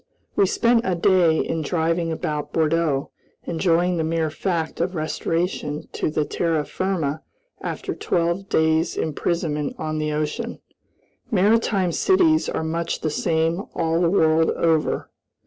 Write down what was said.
We spent a day in driving about Bordeaux, enjoying the mere fact of restoration to terra firma after twelve days' imprisonment on the ocean. Maritime cities are much the same all the world over.